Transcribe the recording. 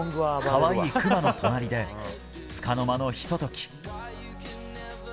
かわいいクマの隣で、つかの間のひととき。